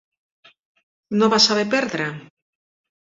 No va saber perdre?